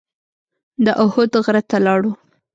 د احد غره ته لاړو.